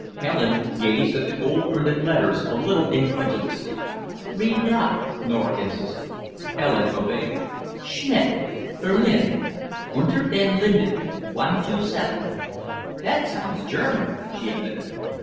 Helen gazed at the gold printed letters a little incredulously. "Read it out," Nora insisted. Helen obeyed: "Schmidt, Berlin, Unter den Linden, 127." "That sounds German," she admitted.